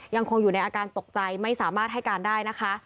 ยังคงอยู่ในอาการตกใจไม่สามารถให้การได้นะคะ